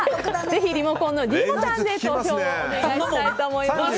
ぜひリモコンのｄボタンで投票をお願いします。